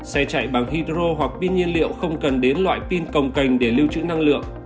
xe chạy bằng hydro hoặc pin nhiên liệu không cần đến loại pin cồng cành để lưu trữ năng lượng